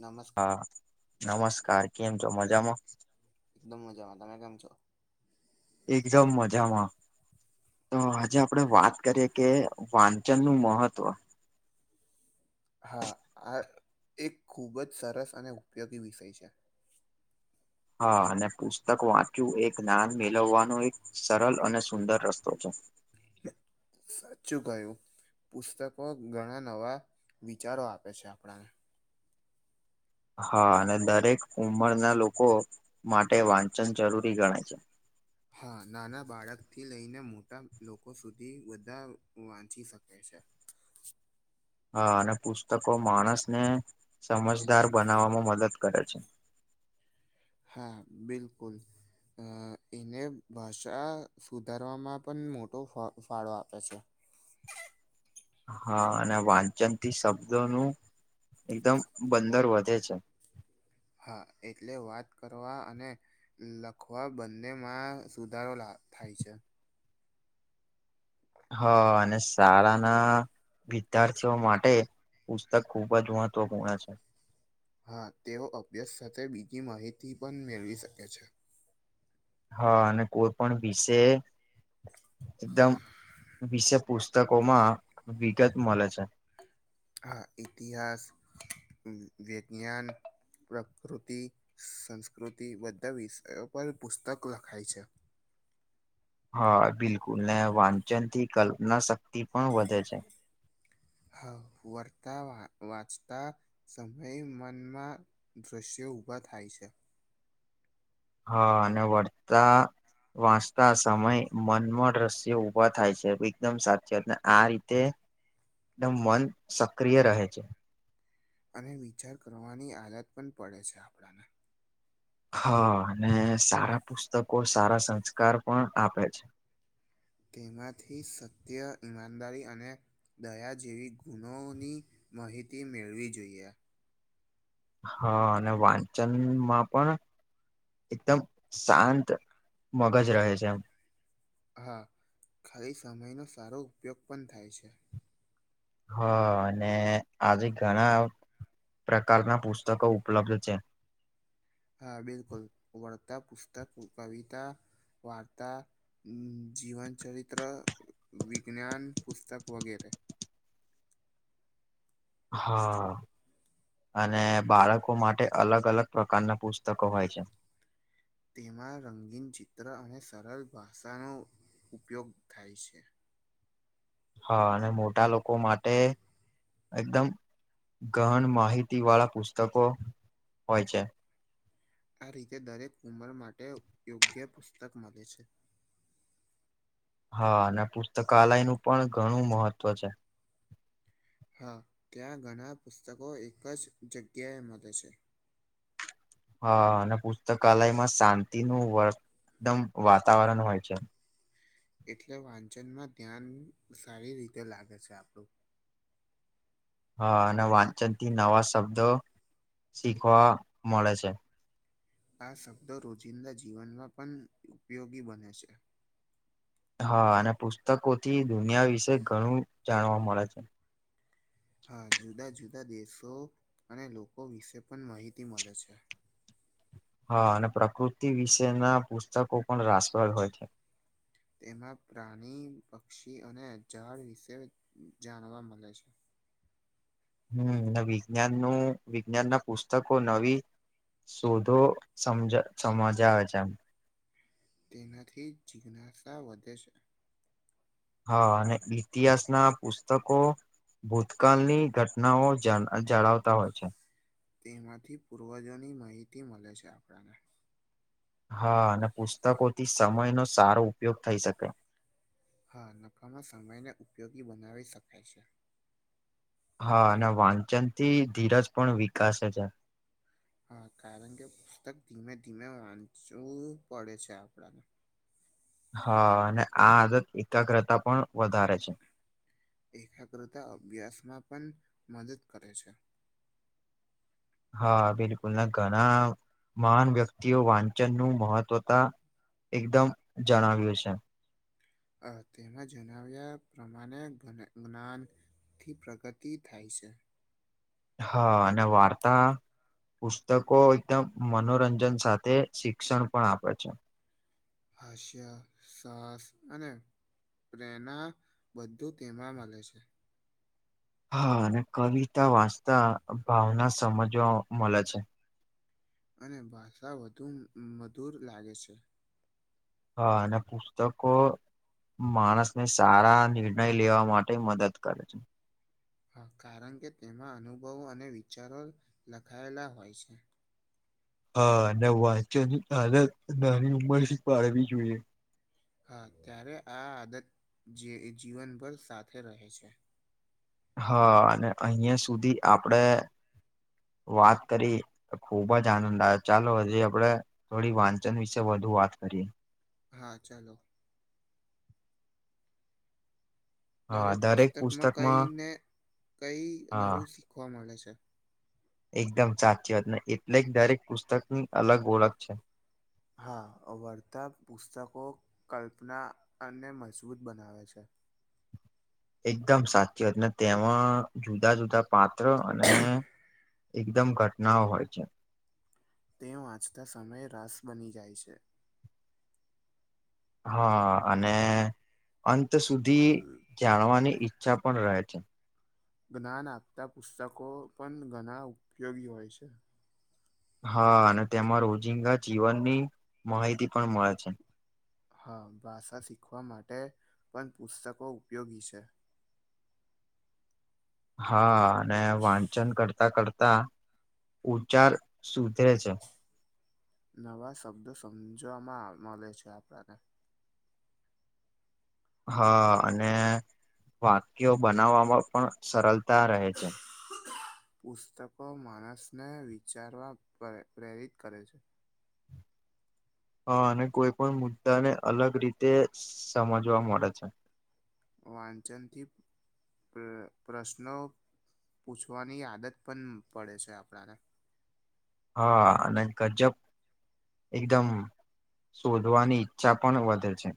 નમસ્ હા નમસ્કાર કેમ છો મજામાં? એકદમ મજામાં તમે કેમ છો? એકદમ મજામાં તો આજે આપડે વાત કરીએે કે વાંચન નું મહત્વ હા આ એક ખૂબ જ સરસ અને ઉપયોગી વિષય છે. હા અને પુસ્તક વાંચ્યું એક ગ્યાન મેલવવાનું એક સરળ અને સુંદર રસ્તો છે. સાચું કયું પુસ્તકો ઘણા નવા વિચારો આપે છે. આપણાના હા અને દરેક ઉંમરના લોકો માટે વાંચન જરૂરી ગણાય છે. હા નાના બાળકથી લઈને મોટા લોકો સુધી બધા વાંચી શકે છે. હા અને પુસ્તકો માણસને સમજદાર બનાવવામાં મદદ કરે છે. હા બિલકુલ અ એને ભાષા સુધારવામાં પણ મોટો ફાળો આપે છે. હા અને વાંચનથી શબ્દો નું એકદમ બંદર વધે છે. હા એટલે વાત કરવા અને લખવા બંને માં સુધારો લા થાય છે. હ અનેશાળાના વિદ્યાથીઓ માટે પુસ્તક ખુબ જ મહત્વપૂર્ણ છે. હા તેઓ અભ્યાસ સાથે બીજી માહિતી પણ મેળવી શકે છે હા અને કોઈ પણ વિશે એકદમ વિશે પુસ્તક માં વિગત મળે છે. હ ઇતિહાસ વિજ્ઞાન પ્રકૃતિ સંસ્કૃતિ બધા વિષયો પર પુસ્તક લખાય છે. હા બિલકુલ ને વાંચન થી કલ્પના શક્તિ પણ વધે છે. હા વરતા વા વાંચતા સમય મનમાં દ્રશ્યો ઉઊભા થાય છે. હા અને વળતા વાંચતા સમય મનમ રસ્ય ઉઊભા થાય છે. એકદમ સાચીત ને આ રીતે એકદમ મન સક્રિય રહે છે. અને વિચાર કરવાની આાલત પણ પડે છે. આપણાને હા અને સારા પુસ્તકો સારા સંસ્કાર પણ આપે છે. તેમાંથી સત્ય ઈમાનદારી અને દયા જેવી ગુણોની માહિતી મેળવી જોઈએ. હા અને વાંચન માં પણ એકદમ શાંત મગજ રહે છે. એમ હા ખાલી સમયનો સારો ઉપયોગ પણ થાય છે. હ અને આજે ઘણા પ્રકારના પુસ્તકો ઉપલબ્ધ છે. હા બિલકુલ વાર્તા પુસ્તક કવિતા વાર્તા જીવન ચરિત્ર વિજ્ઞાન પુસ્તક વગેરે હા અને બાળકો માટે અલગ અલગ પ્રકારના પુસ્તકો હોય છે. તેમાં રંગીન ચિત્ર અને સરળ ભાષાનો ઉપયોગ થાય છે. હા અને મોટા લોકો માટે એકદમ ગહન માહિતી વાળા પુસ્તકો હોય છે. આ રીતે દરેક ઉંમર માટે યોગ્ય પુસ્તક મળે છે. હા અને પુસ્તકાલય નું પણ ઘણું મહત્વ છે. હા ત્યાં ઘણા પુસ્તકો એક જ જગ્યાએ મળે છે. હ અને પુસ્તકાલયમાં શાંતિનું વદમ વાતાવરણ હોય છે. એટલે વાંચનમાં ધ્યાન સારી રીતે લાગે છે. આપડું હા અને વાંચન થી નવા શબ્દો શીખવા મળે છે. આ શબ્દો રોજિંદા જીવનમાં પણ ઉપયોગી બને છે. હા અને પુસ્તકોથી દુનિયા વિશે ઘણું જાણવા મળે છે. હા જુદા જુદા દેશો અને લોકો વિશે પણ માહિતી મળે છે હા અને પ્રકૃતિ વિશેના પુસ્તકો પણ રાસ્રલ હોય છે તેમાં પ્રાણી પક્ષી અને ઝાડ વિશે જાણવા મળે છે હમ વિજ્ઞાન નું વિજ્ઞાન ના પુસ્તકો નવી શોધો સમજ સમજ આવે છે એમ તેનાથી જિજ્ઞાસા વધે છે હા અને ઇતિહાસ ના પુસ્તકો ભૂતકાળની ઘટનાઓ જાળવતા હોય છે તેમાંથી પૂર્વજોની માહિતી મળે છે આપણને હા અને પુસ્તકોથી સમય નો સારો ઉપયોગ થઈ શકે હા નફામાં સમયને ઉપયોગી બનાવી શકાય છે હા અને વાંચન થી ધીરજ પણ વિકાસ છે હા કારણ કે પુસ્તક ધીમે ધીમે વાંચવું પડે છે આપડાને હા અને આ આદત એકાગ્રતા પણ વધારે છે એકાગ્રતા અભ્યાસમાં પણ મદદ કરે છે હા બિલકુલ ઘણા મહાન વ્યક્તિઓ વાંચન નું મહત્વતા એકદમ જણાવ્યું છે અ તેમાં જણાવ્યા પ્રમાણે જ્ઞાન થી પ્રગતિ થાય છે. હા અને વાર્તા પુસ્તકો એકદમ મનોરંજન સાથે શિક્ષણ પણ આપે છે. હાશિયા સાસ અને પ્રેરણા બધું તેમાં મળે છે. હા અને કવિતા વાંચતા ભાવના સમજવા મળે છે. અને ભાષા વધુ મધુર લાગે છે. હા અને પુસ્તકો માણસ ને સારા નિર્ણય લેવા માટે મદદ કરે છે. કારણ કે તેમાં અનુભવો અને વિચારો લખાયેલા હોય છે. હા અને વાંચન આલત નાની ઉંમર થી પાડવી જોઈએ. હા ત્યારે આ આદત જે જીવનભર સાથે રહે છે. હા અને અહિયાં સુધી આપડે વાત કરી ખુબ જ આનંદ આવ ચાલો હજી આપડે થોડી વાંચન વિશે વધુ વાત કરીએ. હા ચાલો. દરેક પુસ્તકમાં કઈને કઈ હા નવું શીખવા મળે છે. એકદમ સાચી વાત, ને એટલે દરેક પુસ્તક ની અલગ ઓળખ છે. હા વર્તા પુસ્તકો કલ્પના અને મજબૂત બનાવે છે. એકદમ સાચીત અનેને તેમાં જુદા જુદા પાત્ર અને એકદમ ઘટનાઓ હોય છે. તે આંચતા સમયે રસ બની જાય છે. હા અને અંત સુધી જાણવાની ઈચ્છા પણ રહે છે. જ્ઞાન આપતા પુસ્તકો પણ ઘણા ઉપયોગી હોય છે. હા અને તેમાં રોજિંદા જીવનની માહિતી પણ મળે છે. હા ભાષા શીખવા માટે પણ પુસ્તકો ઉપયોગી છે. હા અને વાંચન કરતા કરતા ઉચાર સુધે છે. નવા શબ્દો સમજવામાં મળે છે આપણને. હા અને વાક્યો બનાવવામાં પણ સરળતા રહે છે. પુસ્તકો માણસને વિચારવા પ્રેરિત કરે છે. હા અને કોઈ પણ મુદ્દા ને અલગ રીતે સમજવા મળે છે. વાંચન થી પ્રશ્નો પૂછવાની આદત પણ પડે છે આપણાને. હા અને ગજબ એકદમ શોધવાની ઈચ્છા પણ વધે છે.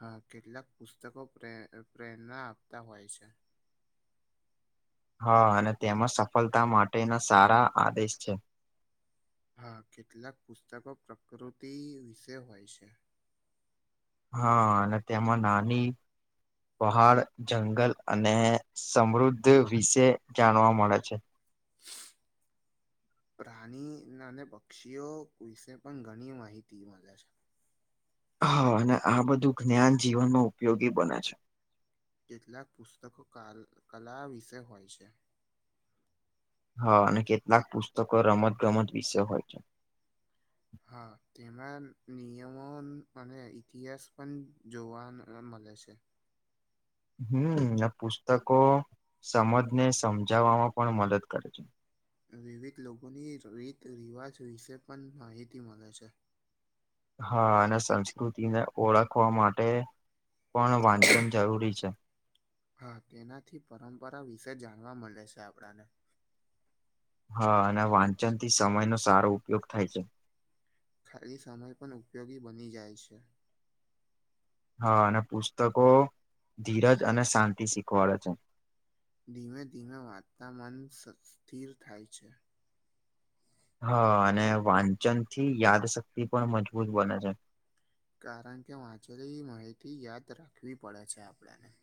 હા કેટલાક પુસ્તકો પ્રે પ્રેરણા આપતા હોય છે. હા અને તેમાં સફળતા માટેના સારા આદેશ છે. હા કેટલાક પુસ્તકો પ્રકૃતિ વિશે હોય છે. હા અને તેમાં નાની પહાડ, જંગલ અને સમૃદ્ધ વિશે જાણવા મળે છે. પ્રાણી અને પક્ષીઓ વિશે પણ ઘણી માહિતી મળે છે. હા અને આ બધું જ્ઞાન જીવનમાં ઉપયોગી બને છે. કેટલાક પુસ્તકો કાલ કલા વિશે હોય છે. હા અને કેટલાક પુસ્તકો રમત-ગમત વિશે હોય છે. હા તેમાં નિયમો અને ઇતિહાસ પણ જોવા મળે છે. હમ્મ ને પુસ્તકો સમજને સમજાવવામાં પણ મદદ કરે છે. વિવિધ લોકોની રીત રિવાજ વિશે પણ માહિતી મળે છે. હા અને સંસ્કૃતિને ઓળખવા માટે પણ વાંચન જરૂરી છે. હા તેનાથી પરંપરા વિશે જાણવા મળે છે આપણાને. હા અને વાંચન થી સમય નો સારો ઉપયોગ થાય છે. ખાલી સમય પણ ઉપયોગી બની જાય છે. હા અને પુસ્તકો ધીરજ અને શાંતિ શીખવાડે છે. ધીમે ધીમે વાંતા મનસ્થિર થાય છે. હા અને વાંચન થી યાદશક્તિ પણ મજબૂત બને છે. કારણ કે વાંચેલી માહિતી યાદ રાખવી પડે છે આપણેને.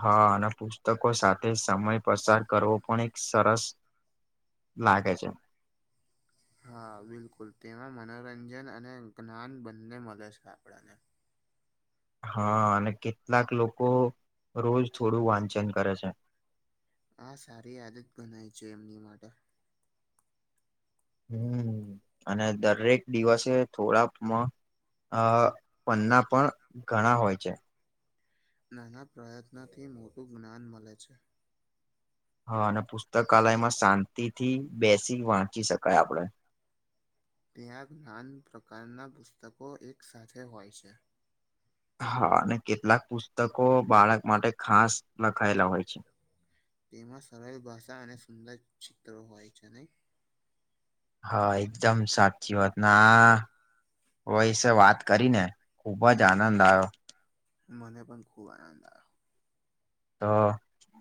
હા અને પુસ્તકો સાથે સમય પસાર કરવો પણ એક સરસ લાગે છે. હા બિલકુલ તેમાં મનોરંજન અને જ્ઞાન બંને મળે છે આપણને. હા અને કેટલાક લોકો રોજ થોડું વાંચન કરે છે. હા સારી આદત ગણાય છે એમની માટે. હમ્મ અને દરેક દિવસે થોડા અ પન્ના પણ ઘણા હોય છે. નાના પ્રયત્નોથી મોટું જ્ઞાન મળે છે. હા અને પુસ્તકાલયમાં શાંતિથી બેસી વાંચી શકાય આપડે. ત્યાં ગ્યાન પ્રકારના પુસ્તકો એક સાથે હોય છે. હા અને કેટલાક પુસ્તકો બાળક માટે ખાસ લખાયેલા હોય છે. તેમાં સરળ ભાષા અને સુંદર ચિત્ર હોય છે નહી. હા એકદમ સાચી વાત ના ના. વયષ વાત કરી ને ખુબ જ આનંદ આવ્યો. મને પણ ખુબ આનંદ આવ. તો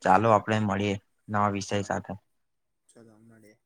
ચાલો આપડે મળીએ નવા વિષય સાથે. ચાલો મળીએ.